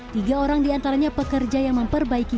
saya nggak tahu ukur kedalamannya itu